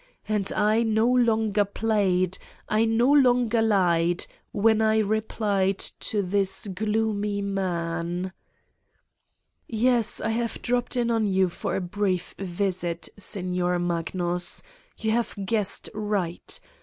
... And I no longer played, I no longer lied, when I replied to this gloomy man : "Yes, I have dropped in on you for a brief visit, Signor Magnus. You have guessed right.